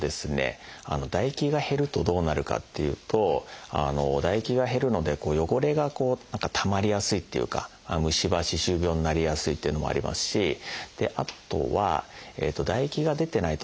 唾液が減るとどうなるかっていうと唾液が減るので汚れがたまりやすいっていうか虫歯・歯周病になりやすいっていうのもありますしあとは唾液が出てないと食べるのも食べづらい。